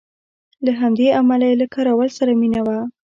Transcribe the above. له همدې امله یې له کراول سره مینه وه.